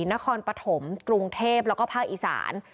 นครปฐมกรุงเทพแล้วก็ภาคอีสาน